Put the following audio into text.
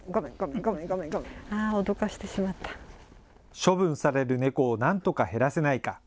処分される猫をなんとか減らせないか。